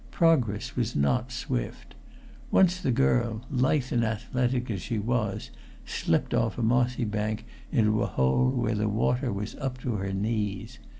Progress was not swift. Once the girl, lithe and athletic as she was, slipped off a mossy stone into a hole where the water was up to her knees.